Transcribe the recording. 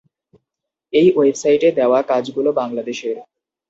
এই ওয়েবসাইটে দেওয়া কাজগুলো বাংলাদেশের।